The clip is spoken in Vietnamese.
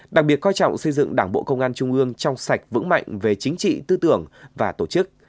đặc biệt coi trọng xây dựng đảng bộ công an trung ương trong sạch vững mạnh về chính trị tư tưởng và tổ chức